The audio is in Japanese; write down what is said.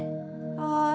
はい。